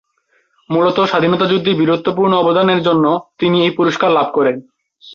মূলত স্বাধীনতা যুদ্ধে বীরত্বপূর্ণ অবদান এর জন্য তিনি এই পুরস্কার লাভ করেন।